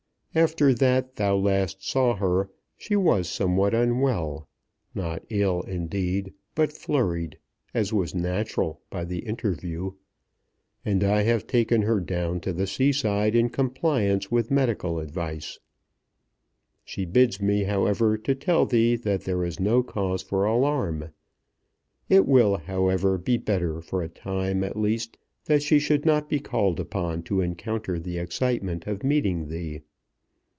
After that thou last saw her she was somewhat unwell, not ill, indeed, but flurried, as was natural, by the interview. And I have taken her down to the seaside in compliance with medical advice. She bids me, however, to tell thee that there is no cause for alarm. It will, however, be better, for a time at least, that she should not be called upon to encounter the excitement of meeting thee.